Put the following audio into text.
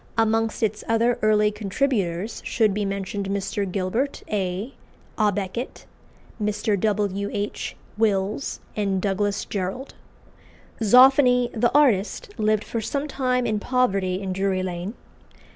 Amongst its other early contributors should be mentioned Mr. Gilbert A. à Beckett, Mr. W. H. Wills, and Douglas Jerrold. Zoffany, the artist, lived for some time in poverty in Drury Lane.